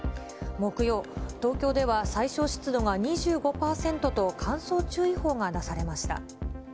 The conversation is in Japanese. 木曜、東京では最小湿度が２５％と乾燥注意報が出されました。